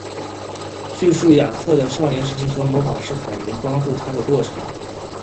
叙述亚瑟的少年时期和魔法师梅林帮助他的过程。